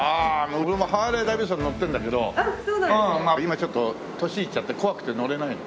俺もハーレーダビッドソン乗ってるんだけど今ちょっと年いっちゃって怖くて乗れないの。